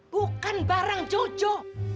bukan barang jojo